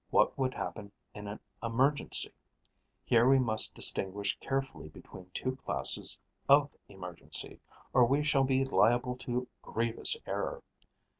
What would happen in an emergency? Here we must distinguish carefully between two classes of emergency, or we shall be liable to grievous error.